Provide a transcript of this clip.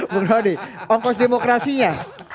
bung rodi ongkos demokrasinya